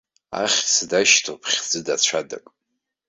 Ахьӡ дашьҭоуп хьӡыда-цәадак.